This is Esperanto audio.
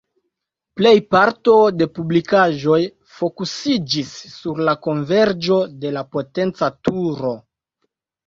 Plej parto de publikaĵoj fokusiĝis sur la konverĝo de la potenca turo.